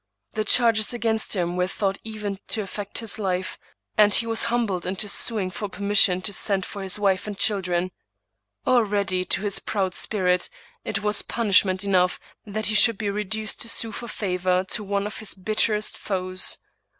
The charges against him were thought even to affect his life, and he was humbled into suing for permission to send for his wife and children.. Already, to his proud spirit, it was punishment enough that he should be reduced to sue for favor to one of his bitterest foes.